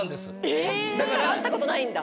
えっだから会ったことないんだ